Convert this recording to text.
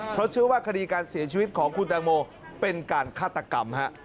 เพราะเชื่อว่าคดีการเสียชีวิตของคุณแตงโมเป็นการฆาตกรรมฮะ